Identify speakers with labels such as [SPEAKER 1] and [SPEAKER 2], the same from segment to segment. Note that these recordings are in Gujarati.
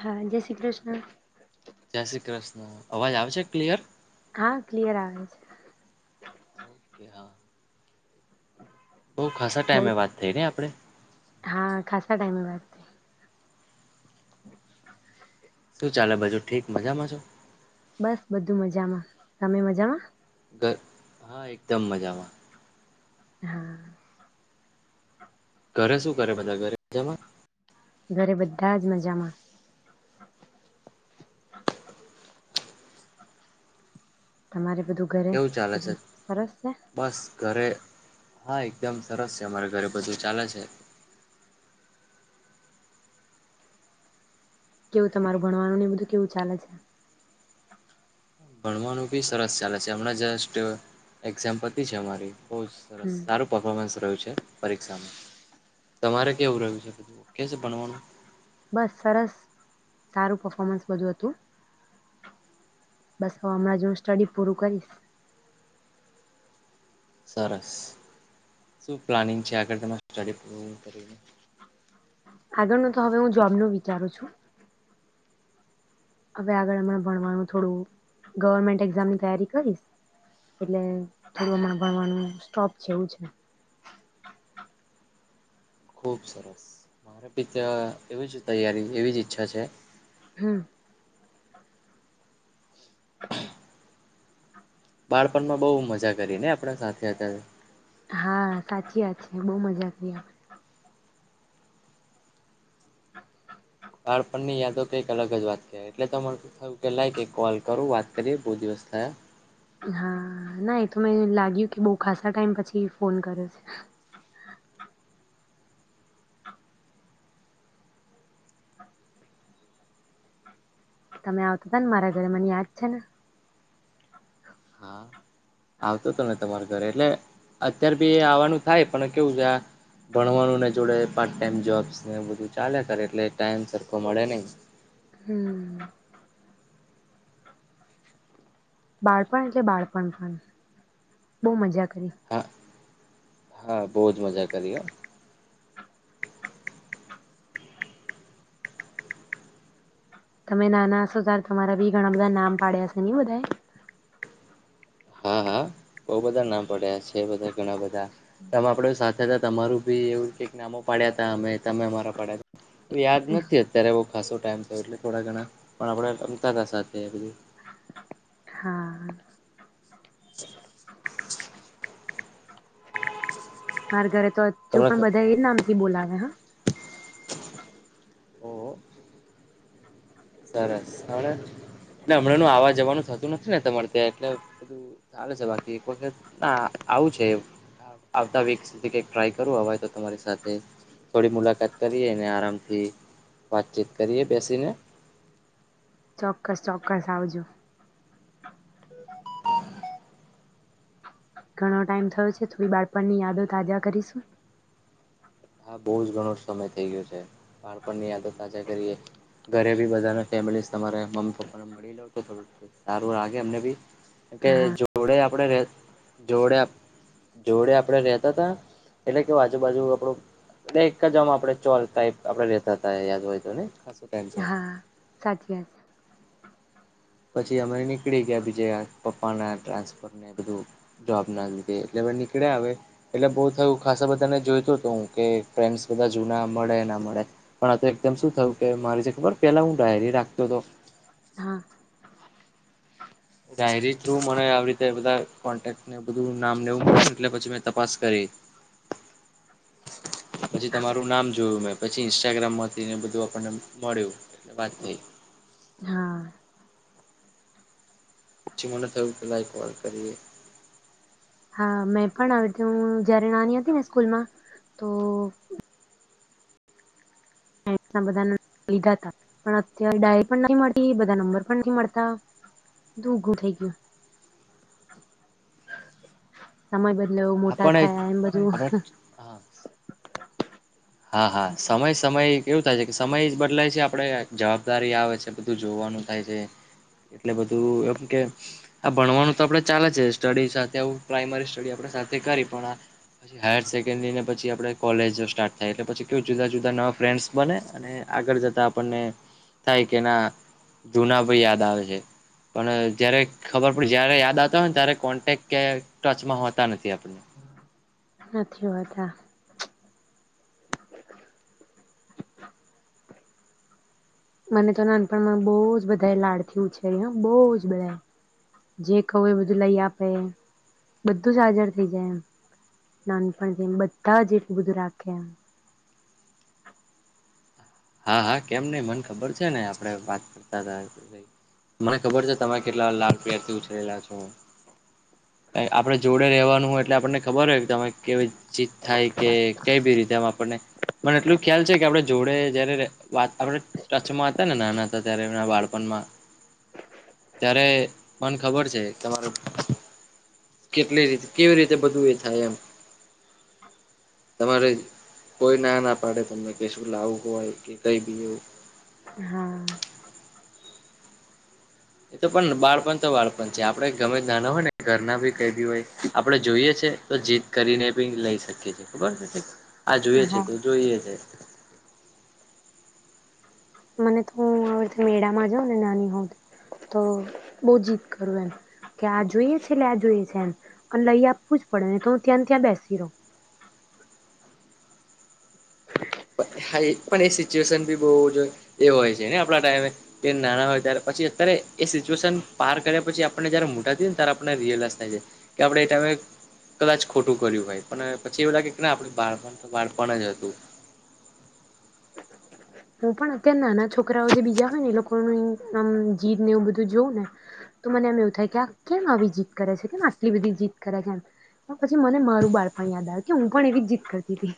[SPEAKER 1] હા જય શ્રી કૃષ્ણ.
[SPEAKER 2] જય શ્રી કૃષ્ણ, અવાજ આવે છે ક્લિયર?
[SPEAKER 1] હા, ક્લિયર આવે છે.
[SPEAKER 2] ઓકે હા. બહુ ખાસા
[SPEAKER 1] બહુ
[SPEAKER 2] ટાઈમે
[SPEAKER 1] જ
[SPEAKER 2] વાત થઈને આપડે?
[SPEAKER 1] હા ખાસા ટાઈમે વાત થઈ
[SPEAKER 2] શું ચાલે બાજુ ઠીક, મજામાં છો?
[SPEAKER 1] બસ બધું મજામાં. તમે મજામાં?
[SPEAKER 2] ઘર હા એકદમ મજામાં.
[SPEAKER 1] હા.
[SPEAKER 2] ઘરે શું કરે બધાં ઘરે મજામાં?
[SPEAKER 1] ઘરે બધા જ મજામાં. તમારે બધું ઘરે
[SPEAKER 2] કેવું ચાલે છે?
[SPEAKER 1] બધું સરસ છે
[SPEAKER 2] બસ ઘરે હા એકદમ સરસ છે. અમારે ઘરે બધું ચાલે છે.
[SPEAKER 1] કેવું તમારું ભણવાનું ને એ બધું કેવું ચાલે છે?
[SPEAKER 2] ભણવાનું બી સરસ ચાલે છે હમણાં જસ્ટ એક્ઝામ પતી છે અમારી. બો સરસ
[SPEAKER 1] હમ
[SPEAKER 2] સારું પર્ફોર્મન્સ રહ્યું છે. પરીક્ષામાં. તમારે કેવું રહ્યું છે? બધું ઓકે છે ભણવાનું
[SPEAKER 1] બસ સરસ. સારું પફોર્મન્સ બધું હતું. બસ હમણાં હું સ્ટડી પૂરું કરીશ.
[SPEAKER 2] સરસ. શું પ્લાનિંગ છે આગળ તમારે સ્ટડી પૂરી કરી ને?
[SPEAKER 1] આગળ નું તો હવે હું જોબનું વિચારું છું. હવે આગળ હમણા ભણવાનું થોડું ગવર્મેન્ટ એક્ઝામની તૈયારી કરીશ, એટલે થોડું હમણા ભણવાનું સ્ટોપ છે, એવું છે.
[SPEAKER 2] ખુબ સરસ. [unintelligible] એવી જ તૈયારી એવી જ ઈચ્છા છે.
[SPEAKER 1] હમ્મ.
[SPEAKER 2] બાળપણમાં બહુ મજા કરી ને આપણે સાથે હતા તો.
[SPEAKER 1] હા સાચી વાત છે. બહુ મજા કરી.
[SPEAKER 2] બાળપણની યાદો તો કંઈક અલગ જ વાત કેવાય, એટલે તો મને થયું કે લાય એક કોલ કરું, વાત કરીએ, બોવ દિવસ થયા.
[SPEAKER 1] હા, ના એ તો મેં લાગ્યું કે બોવ ખાસા ટાઈમ પછી ફોન કર્યો છે. તમે આવતા તા ને મારા ઘરે મને યાદ છે ને.
[SPEAKER 2] હા આવતો તો ને તમારા ઘરે એટલે અત્યાર ભી આવવાનું થાય, પણ કેવું છે આ ભણવાનું ને જોડે પાર્ટ ટાઈમ જોબ્સ ને એ બધું ચાલ્યા કર એટલે ટાઈમ સરખો મળે નહીં.
[SPEAKER 1] હમ્મ. બાળપણ એટલે બાળપણ [unintelligible] બોવ મજા કરી.
[SPEAKER 2] હા હા બોવ જ મજા કરી હો.
[SPEAKER 1] તમે નાના હશો તાર તમારા ભી ઘણા બધા નામ પાડ્યા હશે નઇ બધાએ?
[SPEAKER 2] હા, હા, બોઉ બધા નામ પડ્યા છે એ બધા ઘણા બધા. [unintelligible] આપડુ સા [unintelligible] તમારું ભી એવું કઈક નામો પાડ્યા તા અમે તમે અમારા પાડ્યા તા. યાદ નથી અત્યારે એવું. ખાસો ટાઈમ થયો એટલે થોડા ઘણા, પણ આપણે રમતા તા સાથે [unintelligible]
[SPEAKER 1] હા.
[SPEAKER 2] [inaudible]
[SPEAKER 1] માર ઘરે તા હજુ પણ
[SPEAKER 2] તમને
[SPEAKER 1] બધા એ નામથી બોલાવે. હા હા.
[SPEAKER 2] ઓ. સરસ સરસ એટલે હમણાં નો આવવા જવાનું થતું નથી ને તમારે ત્યાં એટલે બધું ચાલે છે બાકી એક વખત આ આવું છે. આવતા વીક સુધી કઈક ટ્રાય કરવું હય તો તમારી સાથે થોડી મુલાકાત કરીએ આરામથી વાતચીત કરીએ બેસીને.
[SPEAKER 1] ચોક્કસ ચોક્કસ આવજો. ઘણો ટાઈમ થયો છે થોડી બાળપણની યાદો તાજા કરીશું.
[SPEAKER 2] હા બહુ જ ઘણો જ સમય થઈ ગયો છે. બાળપણની યાદો તાજા કરીએ ઘરે ભી બધાને ફેમિલી તમા મમ્મી પપ્પાને મળી લો તો થોડું સારું લાગે અમને બી કે
[SPEAKER 1] હા
[SPEAKER 2] જોડે આપણે રે જોડે જોડે આપણેે રેતા તા એટલે કે આજુબાજુ આપણું ભાઈ એકજ વારમાં ચોલ ટાઇપ આપડે રેતા તા યાદ હોય તો.
[SPEAKER 1] સાચે.
[SPEAKER 2] પછી અમારે નીકળી ગયા બીજે પપ્પાના ટ્રાન્સફરને બધું જોબ ના લીધે એટલે હવે નીકળ્યા આવે એટલે બહુ થયું ખાસા બધાને જોઈતો હતો હું કે ફ્રેન્ડસ બધા જૂના મળે ના મળે પણ આ તો એકદમ શું થયું કે મારે જે ખબર પેલા હું ડાયરી રાખતો તો.
[SPEAKER 1] હા
[SPEAKER 2] ડાયરી થ્રુ મને આવી રીતે બધા કોન્ટેકને બધું નામ લેવું એટલે પછી મે તપાસ કરી. પછી તમારું નામ જોયું મે પછી ઇન્સ્ટાગ્રામ માંથીને બધું આપણને મળ્યું એટલે વાત થઈ.
[SPEAKER 1] હા
[SPEAKER 2] જો મને થયું પેલા એક વાર કરીએ.
[SPEAKER 1] હા મેં પણ આવ બધું હતી હું જયારે નાની હતી ને સ્કૂલમાં તો એટલા બધાના લીધા તા. પણ અત્યારે ડાયરી પણ મળતી બધા નંબર પણ નથી મળતા બધું ઉઘું થઈ ગયું. સમય બધ તલે
[SPEAKER 2] હા
[SPEAKER 1] મોટા
[SPEAKER 2] પણ
[SPEAKER 1] થયા એમ
[SPEAKER 2] આપણે
[SPEAKER 1] બધું.
[SPEAKER 2] હા હા હા, સમય સમયે કેવું થાય છે કે સમય બદલાય છે આપણે જવાબદારી આવે છે, બધું જોવાનું થાય છે એટલે બધું એમ કે આ ભણવાનું તો આપણે ચાલે છે. સ્ટડી સાથે આવું પ્રાઇમરી સ્ટડી આપણે સાથે કરી પણ આ પછી હાયર સેકન્ડરીને પછી આપણે કોલેજ સ્ટાર્ટ થાય એટલે પછી કેવું જુદા જુદા નવા ફ્રેન્ડસ બને અને આગળ જતા આપણને થાય કે ના જુના ભઈ યાદ આવે છે પણ જયારે ખબર પડે જયારે યાદ આવતા હોયને ત્યારે કોન્ટેક કે કયાય ટચમાં હોતા નથી આપણને.
[SPEAKER 1] સાચી વાત, હા. મને તો નાનપણમાં બહુ જ બધાયે લાડથી ઉછેરી ને બહુ જ બધાયે જે કહું એ બધું લઈ આપે, બધું જ હાજર થઈ જાય. નાનપણથી બધા જ એટલું બધું રાખે.
[SPEAKER 2] હા હા કેમ નહીં મને ખબર છે ને આપણે વાત કરતા હતા મને ખબર છે તમે કેટલા લાભ પ્રેમથી ઉછરેલા છો આપડે જોડે રેવાનું હોય એટલે આપણને ખબર હોય. તમે કેવી જીત થાય કે કઈ બી રીતે આપણને મને એટલું ખ્યાલ છે કે આપણે જોડે જયારે વાત આપે ટચમાં હતા ને નાના ત્યારે એમના બાળપણમાં ત્યારે મન ખબર છે તમારે કેટલી રીતે કેવી રીતે બધું એ થાય એમ તમારે કોઈ ના ના પાડે તમને કે શું લાવું હોય કે કઈ બી
[SPEAKER 1] હા.
[SPEAKER 2] એ તો પણ બાળપણ તો બાળપણ છે આપણે ગમે નાના હોય ને ઘરના બી કઈ બી હોય આપણે જોઈએ છે તો જીત કરીને બી લઈ શકીએ છીએ ખબર છે. આ જોઈએ છે
[SPEAKER 1] હા
[SPEAKER 2] તો જોઈએ છે.
[SPEAKER 1] મને તો હું આ [unintelligible] મેળામાં જાઉં ને નાની હોવુ તો બહુ જીદ કરું એમ કે આ જોઈએ છે એટલે આ જોઈએ છે એમ અને લઈ આપવું જ પડેને તો હું ત્યાં ત્યાં બેસી રહું. [inaudible]
[SPEAKER 2] હા એ પણ એ સિચ્યુએશન બી બહુ જ એ હોય છેને આપણા ટાઈમે કે નાના હોય ત્યારે પછી અત્યારે એ સિચ્યુએશન પાર કર્યા પછી આપણને જયારે મોટા થઈએ ને ત્યારે આપણને રિયલાઇઝ થાય છે કે આપણે એ ટાઈમે કદાચ ખોટું કર્યું હોય પણ પછી અ એવું લાગે કે આપણે બાળપણ તો બાળપણ જ હતું.
[SPEAKER 1] હું પણ અત્યારે નાના છોકરાઓ જે બીજા હોય ને એ લોકોની આમ જીદ ને એવું બધું જોઉં ને તો મને એમ એવું થાય કે આ કેમ આવી જીદ કરે છે કેમ આટલી બધી જીદ કરે છે એમ પણ પછી મને મારું બાળપણ યાદ આવે કે હું પણ એવી જ જીદ કરતી હતી.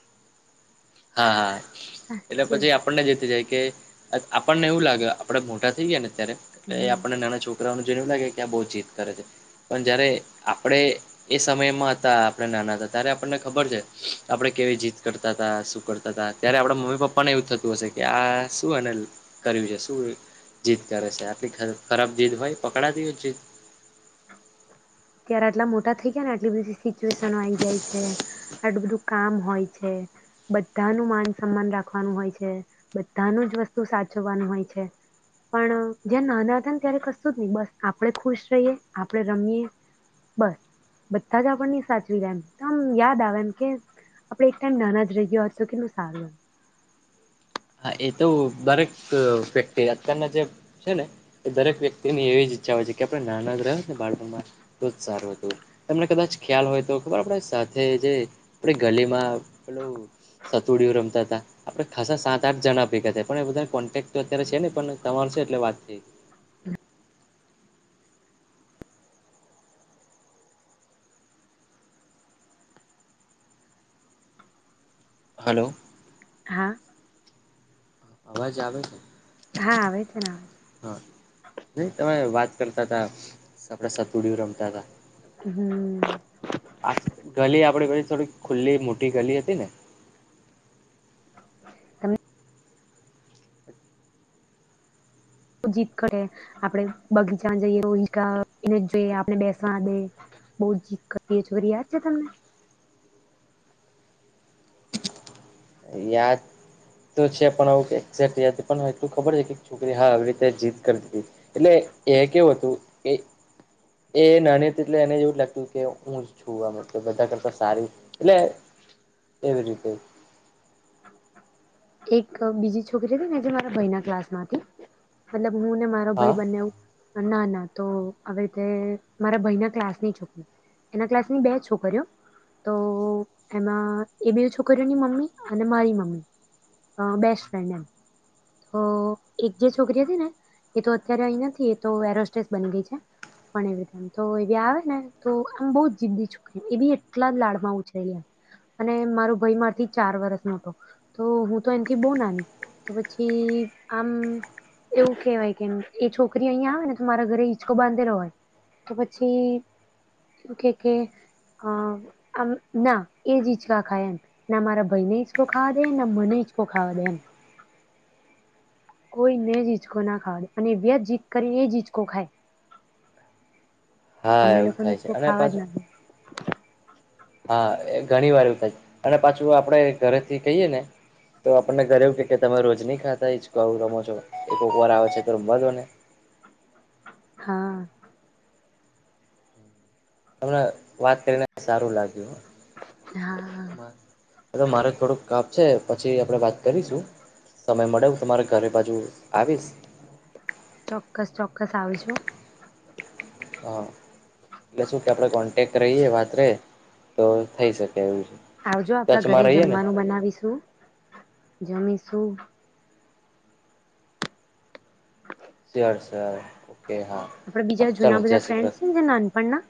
[SPEAKER 2] હા હા એટલે
[SPEAKER 1] સાચે
[SPEAKER 2] પછી આ આપણને જીતી જાય કે આપણને એવું લાગે આપડે મોટા થઈએ ને ત્યારે એ
[SPEAKER 1] હમ
[SPEAKER 2] આપણને નાના છો રાઓ જોઈને એવું લાગે કે આ બહુ જીદ કરે છે પણ જયારે આપણે એ સમયમાં હતા આપણે નાના હતા ત્યારે આપણને ખબર છે આપણે કેવી જીદ કરતા હતા શું કરતા હતા ત્યારે આપણા મમ્મી પપ્પાને એવું થતું હશે કે આ શું એને કર્યું છે શું જીદ કરે છે આટલી ખ ખરાબ જીદ હોય પ કડાતી હોય જીદ.
[SPEAKER 1] ત્યારે આટલા મોટા થઈ ગયાને આટલી બધી સિચવેશન આઈ જાય છે આટલું બધું કામ હોય છે બધાનું માન સન્માન રાખવાનું હોય છે બધાનું જ વસ્તુ સાચવવાનું હોય છે પણ જયારે નાના હતા ને ત્યારે કશું જ નહી બસ આપણે ખુશ રહીએ આપણે રમીએ બસ બધા જ આપણને સાચવી લે એમ તો આમ યાદ આવે એમ કે આપડે એક ટાઈમ નાના જ રહી ગયો હોત તો કેટલું સારું રેત
[SPEAKER 2] હા એ તો દરેક વ્યક્તિ અત્યારના જે છે ને એ દરેક વ્યક્તિની એવી જ ઈચ્છા હોય છે કે આપણે નાના જ રહયા હોત ને બાળપણમાં તો જ સારું હતું તમને કદાચ ખ્યાલ હોય તો ખબર આપડે સાથે જે આપડી ગલીમાં પેલું સતોડિયુ રમતાં તા. આપણે ખાસા સાત [unintelligible] જણા ભેગા થાય પણ એ બધા કોન્ટેક્ટ તો અત્યારે છે નઈ પણ તમારું છે એટલે વાત થઈ હલો.
[SPEAKER 1] હા.
[SPEAKER 2] અવાજ આવે?
[SPEAKER 1] હા આવે છે ને આવે
[SPEAKER 2] હા નહીં તમે વાત કરતા હતાં. આપણે સતોડિયુ રમતા હતા
[SPEAKER 1] છે હમ
[SPEAKER 2] આ ગલી આપડે પે થોડી ખુલ્લી મોટી ગલી હતી ને
[SPEAKER 1] અન બહુ જીદ કર આપણે બગીચામાં જઈએ એને [unintelligible] જોઈ આપણે બેસવા દે બહુ જીદ કરીએ છોર યાદ છે તમને?
[SPEAKER 2] યાદ તો છે પણ આવું એક્ઝેક્ટ યાદ પણ એટલું ખબર છે કે છોકરી હા આવી રીતે જીત કરીતીી હતી એટલે એ કેવું હતું કે એ નાની એટલે એને એવું લાગતું કે હું છું આમ બધા કરતા સારી એટલે એવી રીતે
[SPEAKER 1] એક બીજી છોકરી હતી ને આજે મારા ભાઈ ના ક્લાસ માં હતી મતલબ હું ને મારો
[SPEAKER 2] હા
[SPEAKER 1] ભાઈ બનેવું ના ના તો આવીવે રીતે મારા ભાઈના ક્લાસની છોકરી એના ક્લાસની બે છોકરીઓ તો એમાં એ બે છોકરીઓની મમ્મી અને મારી મમ્મી બેસ્ટ ફ્રેન્ડ એમ તો એક જે છોકરી હતી ને એ તો અત્યારે અહી નથી એ તો એરોસ્ટેસ બની ગઈ છે પણ એવીીતેમ તો એવી આવે ને તો આમ બહ જિદદી છોકરી એ બી એટલા લાડમાં ઉછરેલી આમ અને મારો ભાઈ મારથી ચાર વરસ મોટો તો હું બો ના તો પછી આમ એવું કેહેવાય કે એ છોકરી અહીિયાં આવે ને તો મારા ઘરે ઈચકો બાંધેલો હોય તો પછી એવું કે કે આમ ના એજ ીચકા ખાય એમ ના મારા ભાઈને ઇચકો ખાવા દે ના મને ઈચ કો ખાવા દે એમ. કોઈ મે જીચકો ના ખાવા દે અને વ્યજ જીત કરી એ જ હિચકો ખાય.
[SPEAKER 2] હા
[SPEAKER 1] અમને
[SPEAKER 2] એવું થાય છે અને પાછ
[SPEAKER 1] હ [inaudible]
[SPEAKER 2] હા એ ઘણી વાર એવું થાય, અને પાછું આપડ ઘરેથી કહીએ ને, તો આપણને ઘરે એવું કે તમે રોજ નહી ખાતા જું રમો છો એક વાર આવે છે તો રમવા દો ને.
[SPEAKER 1] હા.
[SPEAKER 2] તમને વાત કરીને સારું લાગ્યું.
[SPEAKER 1] હા
[SPEAKER 2] મારે થોડુંક કાપ છે પછી આપણેે વાત કરીશું, સમય મળે તમારે ઘરે બાજુ આવીશ.
[SPEAKER 1] ચોક્કસ ચોક્કસ આવીજું.
[SPEAKER 2] હા, એટલે શું કે આપણે કોન્ટેક રહીએ વાત રે તો થઈ શકે. એવું છે
[SPEAKER 1] આવજો આપણા
[SPEAKER 2] ટચમાં
[SPEAKER 1] ઘરે
[SPEAKER 2] રહીએ ને
[SPEAKER 1] જમવાનું બનાવીશું. જમીશું. હ [inaudible]
[SPEAKER 2] સાર છેાર ઓ [unintelligible]
[SPEAKER 1] આપડા બીજા જૂના બધા ફ્રેન્ડસ છે ને જે નાનપણના.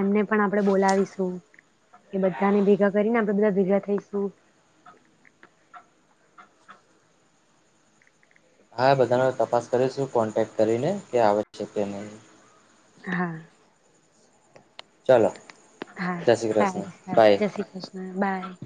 [SPEAKER 1] એમને પણ આપણેે બોલાવીશું, એ બધાને ભેગા કરીને આપ બધા ભેગા થઈશું.
[SPEAKER 2] હા બધાનો તપાસ કરીશું કોન્ટેક્ટ કરીને કે આવશ્ય કે નહી.
[SPEAKER 1] હા.
[SPEAKER 2] ચાલો. જય શ્રી કૃષ્ણ
[SPEAKER 1] સારું-સારું,
[SPEAKER 2] બાય
[SPEAKER 1] જય શ્રી કૃષ્ણ, બાય.